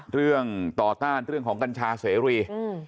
เรื่องต่อต้านเรื่องของกัญชาเสรี